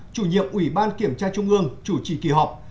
chủ nhiệm ủy ban kiểm tra trung ương chủ trì kỳ họp